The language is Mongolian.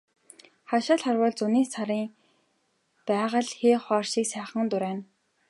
Хаашаа л харвал зуны сарын байгаль хээ хуар шиг сайхан дурайна.